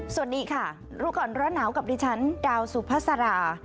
สวัสดีค่ะรู้ก่อนร้อนหนาวกับดิฉันดาวสุภาษารา